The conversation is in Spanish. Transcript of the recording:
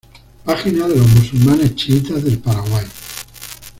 Página de los musulmanes Chiitas del Paraguay